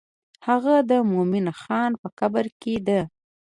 هغه د مومن خان په قبر کې ده.